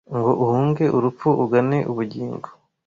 Ngo uhunge urupfu ugane ubugingo